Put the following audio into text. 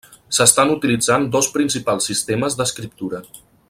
S'estan utilitzant dos principals sistemes d'escriptura.